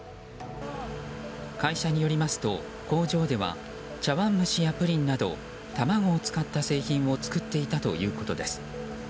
会社によりますと、工場では茶碗蒸しやプリンなど卵を使った製品を作っていたということです。